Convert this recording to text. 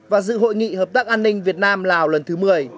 và dự hội nghị hợp tác an ninh việt nam lào lần thứ một mươi